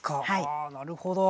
あなるほど。